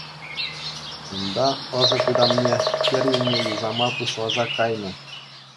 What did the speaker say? Унта ӑшӑ тытӑмне кӗр енне юсама пуҫласа кайнӑ.